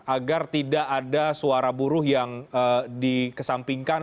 agar tidak ada suara buruh yang di kesampingkan